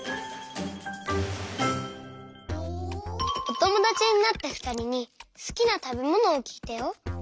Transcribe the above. おともだちになったふたりにすきなたべものをきいたよ。